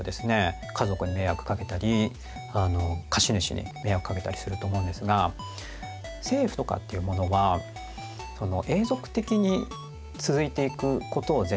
家族に迷惑かけたり貸主に迷惑かけたりすると思うんですが政府とかっていうものは永続的に続いていくことを前提にですね